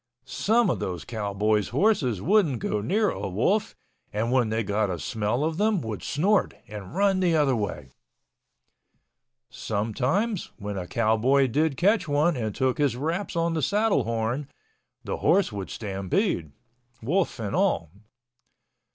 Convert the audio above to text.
Some of those cowboys' horses wouldn't go near a wolf and when they got a smell of them would snort and run the other way. Sometimes when a cowboy did catch one and took his wraps on the saddle horn, the horse would stampede, wolf and all.